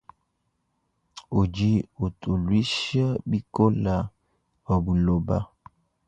Udi utuluisha bikola habuloba.